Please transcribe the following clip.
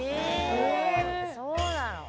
えそうなの？